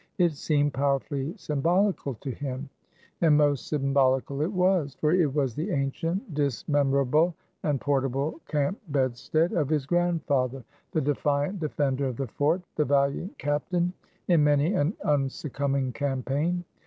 It seemed powerfully symbolical to him; and most symbolical it was. For it was the ancient dismemberable and portable camp bedstead of his grandfather, the defiant defender of the Fort, the valiant captain in many an unsuccumbing campaign.